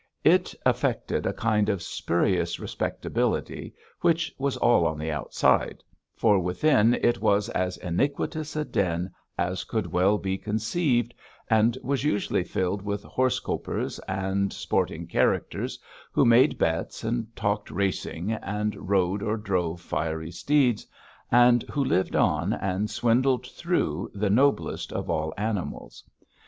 It affected a kind of spurious respectability, which was all on the outside, for within it was as iniquitous a den as could well be conceived, and was usually filled with horse copers and sporting characters, who made bets, and talked racing, and rode or drove fiery steeds, and who lived on, and swindled through, the noblest of all animals.